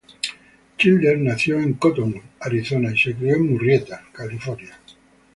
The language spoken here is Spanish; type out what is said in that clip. Childers nació en Cottonwood, Arizona y se crió en Murrieta, California.